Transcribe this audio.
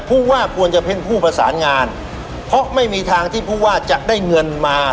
ผู้ว่าควรจะเป็นผู้ประสานงานเพราะไม่มีทางที่ผู้ว่าจะได้เงินมา